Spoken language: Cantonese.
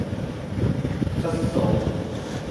質素